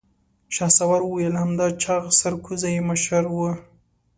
شهسوار وويل: همدا چاغ سرکوزی يې مشر و.